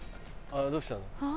どうしたの？